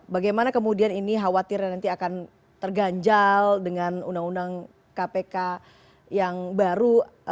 bagaimana kemudian ini khawatirnya nanti akan terganjal dengan undang undang kpk yang baru